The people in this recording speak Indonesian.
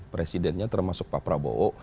presidennya termasuk pak prabowo